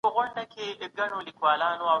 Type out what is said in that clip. سبا غرمه يو کاغذ راواخلئ